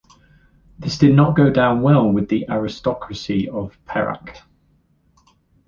This did not go down well with the aristocracy of Perak.